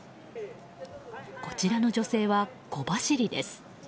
こちらの女性は小走りです。